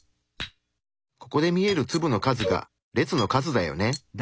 ここで見える粒の数が列の数だよね。